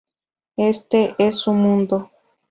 Este es su mundo.